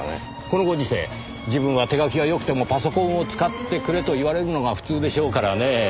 このご時世自分は手書きがよくてもパソコンを使ってくれと言われるのが普通でしょうからねぇ。